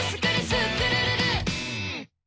スクるるる！」